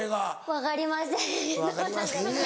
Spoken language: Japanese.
「分かりません」。